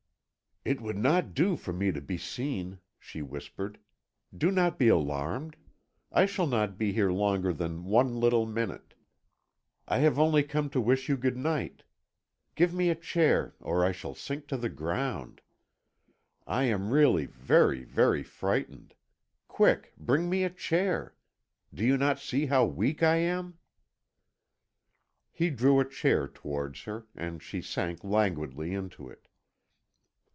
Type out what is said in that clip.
"It would not do for me to be seen," she whispered. "Do not be alarmed; I shall not be here longer than one little minute. I have only come to wish you good night. Give me a chair, or I shall sink to the ground. I am really very, very frightened. Quick; bring me a chair. Do you not see how weak I am?" He drew a chair towards Her, and she sank languidly into it.